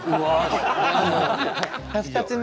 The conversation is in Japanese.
２つ目。